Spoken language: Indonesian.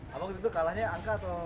kalau waktu itu kalahnya angka atau